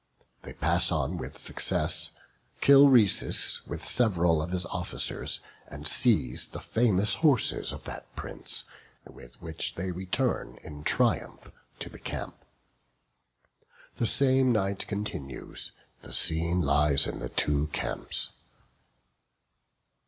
They pass on with success; kill Rhesus with several of his officers, and seize the famous horses of that prince, with which they return in triumph to the camp. The same night continues; the scene lies in the two camps.